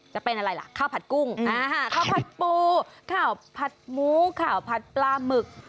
จะเป็นอะไรล่ะข้าวผัดกุ้งข้าวผัดปูข้าวผัดหมูข่าวผัดปลาหมึก